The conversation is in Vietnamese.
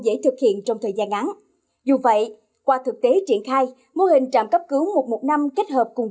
dễ thực hiện trong thời gian ngắn dù vậy qua thực tế triển khai mô hình trạm cấp cứu một trăm một mươi năm kết hợp cùng